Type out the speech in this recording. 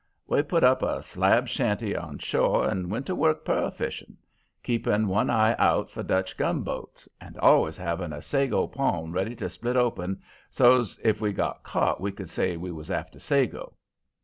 We put up a slab shanty on shore and went to work pearl fishing, keeping one eye out for Dutch gunboats, and always having a sago palm ready to split open so's, if we got caught, we could say we was after sago.